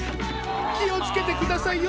気をつけて下さいよ